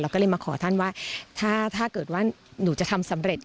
ก็เลยมาขอท่านว่าถ้าเกิดว่าหนูจะทำสำเร็จ